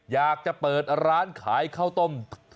อยากจะเปิดร้านขายข้าวต้ม